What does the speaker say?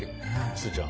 すーちゃん。